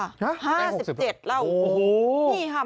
๕๗แล้วโอ้โห